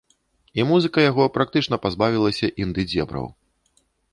І музыка яго практычна пазбавілася інды-дзебраў.